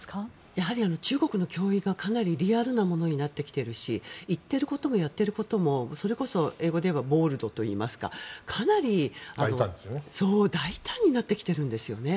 やはり中国の脅威がかなりリアルなものになってきているし言っていることもやっていることもそれこそ英語で言えばボールドといいますかかなり大胆になってきてるんですよね。